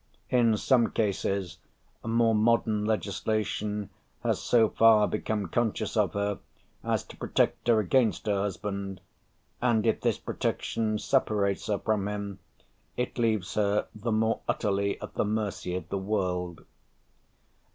In. some cases more modern legislation has so far become conscious of her, as to protect her against her husband, and if this protection separates her from him, it leaves her the more utterly at the mercy of the world.